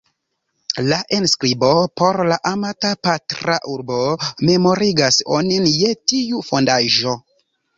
La enskribo "Por la amata patra urbo" memorigas onin je tiu fondaĵo.